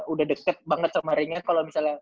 udah deket banget sama ringan kalau misalnya